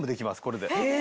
これで。